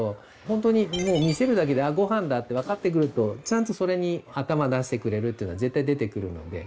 ほんとにもう見せるだけで「あっご飯だ」って分かってくるとちゃんとそれに頭出してくれるっていうのは絶対出てくるので。